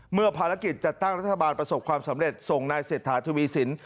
เมื่อภารกิจจัดตั้งรัฐบาลประสบความสำเร็จส่งนายเศรษฐาทวีสิน